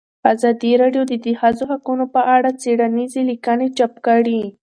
ازادي راډیو د د ښځو حقونه په اړه څېړنیزې لیکنې چاپ کړي.